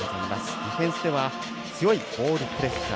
ディフェンスでは強いオールプレッシャー